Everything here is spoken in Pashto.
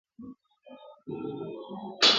دا زه څومره بېخبره وم له خدایه؛